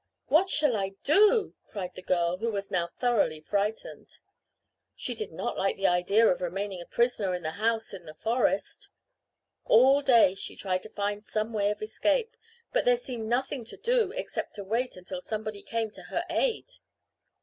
"What shall I do?" cried the girl, who was now thoroughly frightened. She did not like the idea of remaining a prisoner in the house in the forest. All day she tried to find some way of escape, but there seemed nothing to do except to wait until somebody came to her aid.